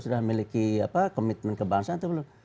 sudah memiliki komitmen kebangsaan atau belum